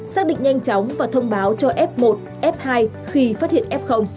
xác định nhanh chóng và thông báo cho f một f hai khi phát hiện f